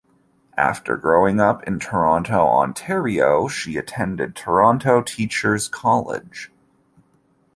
After growing up in Toronto, Ontario, she attended Toronto Teacher's College.